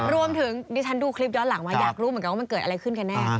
ดิฉันดูคลิปย้อนหลังมาอยากรู้เหมือนกันว่ามันเกิดอะไรขึ้นกันแน่